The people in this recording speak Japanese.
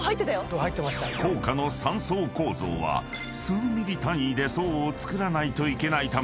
［硬貨の３層構造は数ｍｍ単位で層を造らないといけないため］